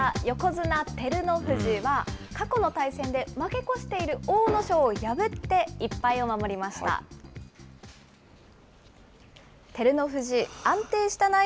横綱・照ノ富士は、過去の対戦で負け越している阿武咲を破って１敗を守りました。